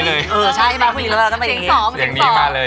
เสียงสองเสียงสอง